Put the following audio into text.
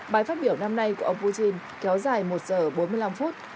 bài phát biểu năm nay của ông putin kéo dài một giờ bốn mươi năm phút